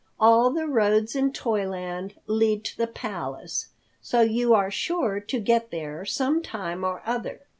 All the roads in Toyland lead to the Palace, so you are sure to get there some time or other.